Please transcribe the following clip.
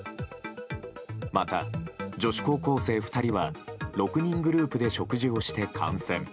また、女子高校生２人は６人グループで食事をして感染。